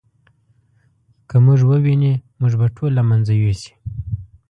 که موږ وویني موږ به ټول له منځه یوسي.